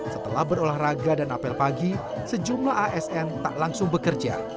setelah berolahraga dan apel pagi sejumlah asn tak langsung bekerja